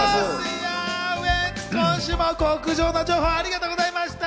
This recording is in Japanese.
ウエンツ、今週も極上の情報をありがとうございました。